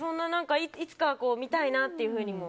いつか見たいなというふうにも。